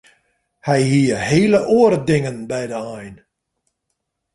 Hy hie hele oare dingen by de ein.